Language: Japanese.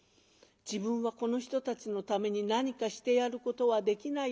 「自分はこの人たちのために何かしてやることはできないだろうか。